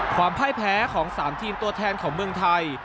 พ่ายแพ้ของ๓ทีมตัวแทนของเมืองไทย